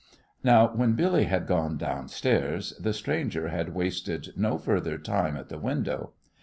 Now, when Billy had gone downstairs, the stranger had wasted no further time at the window.